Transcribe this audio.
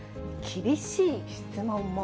厳しい質問も？